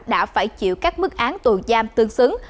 đã phải chịu các mức án tù giam tương xứng